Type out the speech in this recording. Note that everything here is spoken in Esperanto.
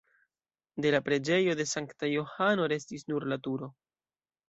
De la preĝejo de Sankta Johano restis nur la turo.